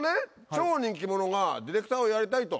超人気者がディレクターをやりたいと。